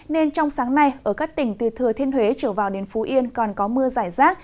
nên trong sáng nay ở các tỉnh từ thừa thiên huế trở vào đến phú yên còn có mưa giải rác